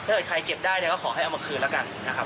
ถ้าเจอใครเก็บได้ก็ขอให้เอามาคืนละกันนะครับ